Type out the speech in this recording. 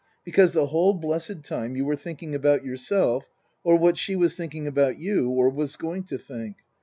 Because the whole blessed time you were thinking about yourself, or what she was thinking about you, or was going to think.